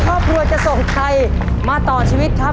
ครอบครัวจะส่งใครมาต่อชีวิตครับ